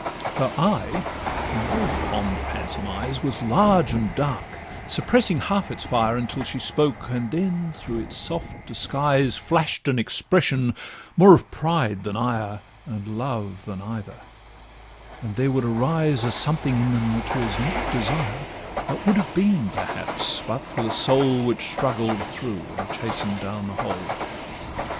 Her eye (I'm very fond of handsome eyes) Was large and dark, suppressing half its fire Until she spoke, then through its soft disguise Flash'd an expression more of pride than ire, And love than either; and there would arise A something in them which was not desire, But would have been, perhaps, but for the soul Which struggled through and chasten'd down the whole.